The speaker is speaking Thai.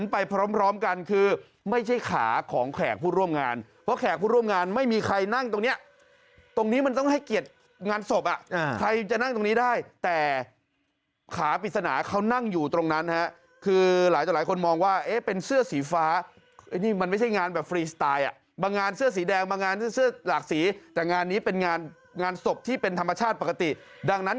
เพราะแขกผู้ร่วมงานไม่มีใครนั่งตรงเนี้ยตรงนี้มันต้องให้เกียรติงานศพอ่ะใครจะนั่งตรงนี้ได้แต่ขาปิศนาเขานั่งอยู่ตรงนั้นฮะคือหลายคนมองว่าเอ๊ะเป็นเสื้อสีฟ้าอันนี้มันไม่ใช่งานแบบฟรีสไตล์อ่ะบางงานเสื้อสีแดงบางงานเสื้อหลักสีแต่งานนี้เป็นงานงานศพที่เป็นธรรมชาติปกติดังนั้น